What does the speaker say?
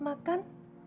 ibu masak ikan